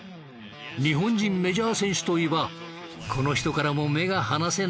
日本人メジャー選手といえばこの人からも目が離せない。